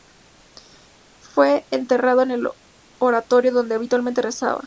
Fue enterrando en el oratorio donde habitualmente rezaba.